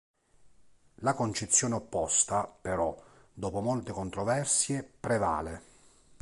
La concezione opposta, però, dopo molte controversie, prevale.